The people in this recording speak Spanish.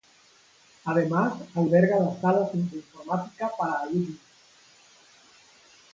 Además alberga las salas de Informática para alumnos.